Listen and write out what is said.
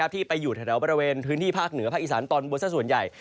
ที่ไปอยู่แถวบริเวณพื้นที่ภาคเหนือภาคอีสานตอนบนสักส่วนใหญ่